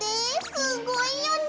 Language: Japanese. すごいよね。